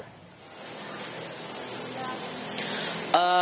pengennya sudah ada gugatan